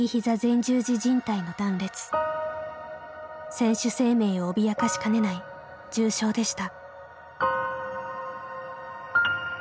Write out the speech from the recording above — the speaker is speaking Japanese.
選手生命を脅かしかねない重傷でした。